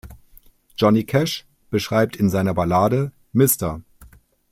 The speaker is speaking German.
Johnny Cash beschreibt in seiner Ballade „Mr.